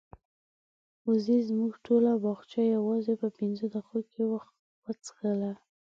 وزې زموږ ټوله باغچه یوازې په پنځو دقیقو کې وڅښله.